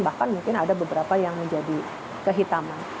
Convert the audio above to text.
bahkan mungkin ada beberapa yang menjadi kehitaman